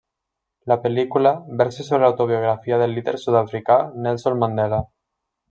La pel·lícula versa sobre l'autobiografia del líder sud-africà Nelson Mandela.